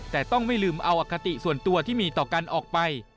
แต่ต้องไม่ลืมเอาอคติส่วนตัวที่มีต่อกันออกไป